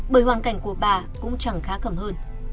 bởi hoàn cảnh của bà cũng chẳng khá khẩm hơn